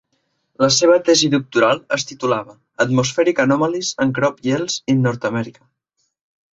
La seva tesi doctoral es titulava "Atmospheric anomalies and crop yields in North America".